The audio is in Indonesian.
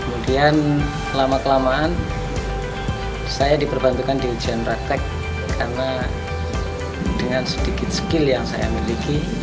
kemudian lama kelamaan saya diperbantukan di ijen praktek karena dengan sedikit skill yang saya miliki